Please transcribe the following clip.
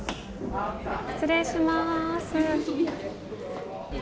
失礼します。